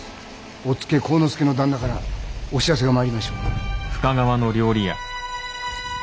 おっつけ晃之助の旦那からお知らせが参りましょう。